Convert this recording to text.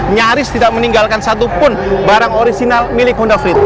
nyaris tidak meninggalkan satupun barang original milik honda flip